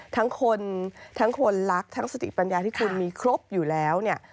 ทั้งคนรักทั้งสติปัญญาที่คุณมีครบอยู่แล้ว